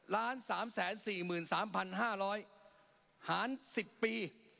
หาร๑๐ปี